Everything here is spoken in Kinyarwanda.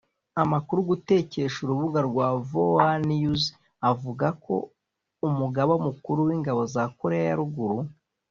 Amakuru gutkesha urubuga rwa voanews avugako Umugaba mukuru w’ingabo za Koreya ya ruguru